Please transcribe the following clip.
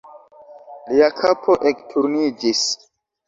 Lia kapo ekturniĝis.